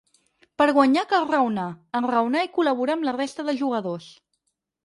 Per guanyar cal raonar, enraonar i col·laborar amb la resta de jugadors.